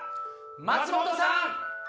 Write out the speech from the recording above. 松本さん。